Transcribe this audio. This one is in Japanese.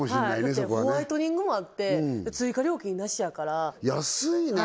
そこはねホワイトニングもあって追加料金なしやから安いね